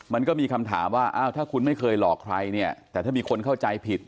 มันก็มีคำถามว่าอ้าวถ้าคุณไม่เคยหลอกใครเนี่ยแต่ถ้ามีคนเข้าใจผิด